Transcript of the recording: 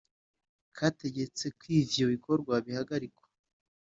kategetse kw'ivyo bikogwa bihagarikwa